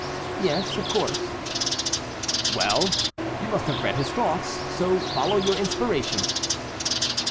"Yes, of course." "Well! you must have read his thoughts. So follow your inspiration."